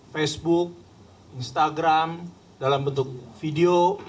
facebook instagram dalam bentuk video